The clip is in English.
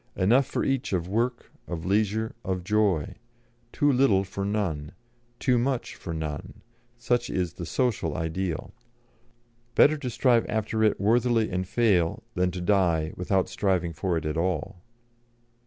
Enough for each of work, of leisure, of joy; too little for none, too much for none such is the Social ideal. Better to strive after it worthily and fail, than to die without striving for it at all."